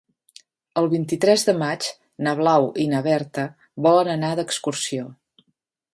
El vint-i-tres de maig na Blau i na Berta volen anar d'excursió.